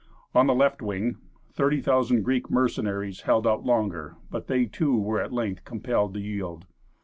On the left wing, 30,000 Greek mercenaries held out longer, but they, too, were at length compelled to yield.